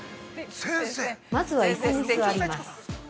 まずは椅子に座ります。